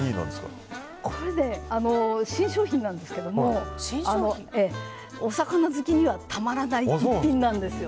新商品なんですけどお魚好きにはたまらない一品なんです。